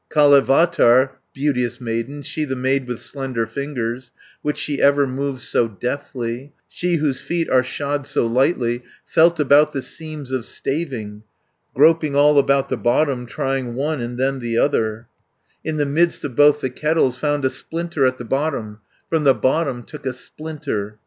"Kalevatar, beauteous maiden, She the maid with slender fingers, 190 Which she ever moves so deftly, She whose feet are shod so lightly, Felt about the seams of staving, Groping all about the bottom, Trying one and then the other, In the midst of both the kettles; Found a splinter at the bottom, From the bottom took a splinter.